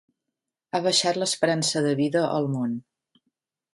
Ha baixat l'esperança de vida al món